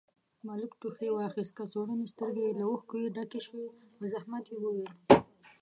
ملک ټوخي واخيست، کڅوړنې سترګې يې له اوښکو ډکې شوې، په زحمت يې وويل: